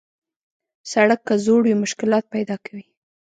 سړک که زوړ وي، مشکلات پیدا کوي.